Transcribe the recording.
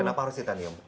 kenapa arus titanium